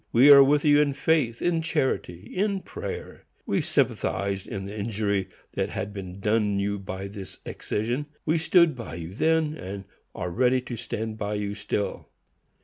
We are with you in faith, in charity, in prayer. We sympathized in the injury that had been done you by excision. We stood by you then, and are ready to stand by you still.